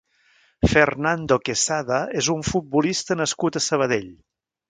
Fernando Quesada és un futbolista nascut a Sabadell.